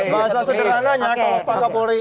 bahasa sederhananya kalau polri